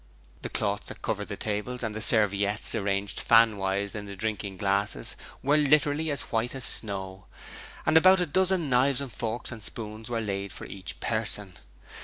The cloths that covered the tables and the serviettes, arranged fanwise in the drinking glasses, were literally as white as snow, and about a dozen knives and forks and spoons were laid for each person.